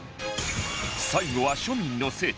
最後は庶民の聖地